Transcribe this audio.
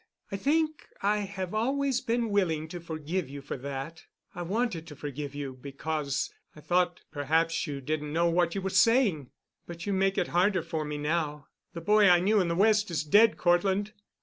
I think I have always been willing to forgive you for that. I wanted to forgive you because I thought perhaps you didn't know what you were saying. But you make it harder for me now. The boy I knew in the West is dead, Cortland.